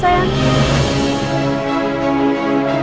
saya ingin menginginkannya boleh berakhir